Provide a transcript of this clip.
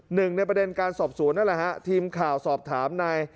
หนึ่งในประเด็นการสอบสวนนั่นแหละฮะทีมข่าวสอบถามนาย